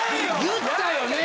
言ったよねぇ！